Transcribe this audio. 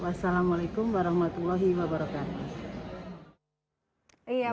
wassalamu'alaikum warahmatullahi wabarakatuh